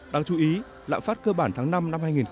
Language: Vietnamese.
đáng chú ý lạng phát cơ bản tháng năm năm hai nghìn một mươi chín